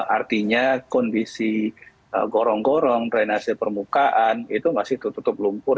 artinya kondisi gorong gorong renase permukaan itu masih tutup tutup lumpur